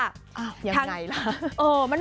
อ้าวอย่างใดล่ะ